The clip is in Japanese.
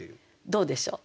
どうでしょう？